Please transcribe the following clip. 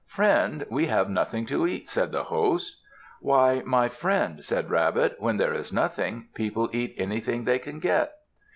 "Friend, we have nothing to eat," said the host. "Why, my friend," said Rabbit, "when there is nothing, people eat anything they can get."